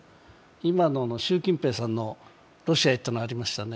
今の習近平さんがロシアに行ったの、ありましたね。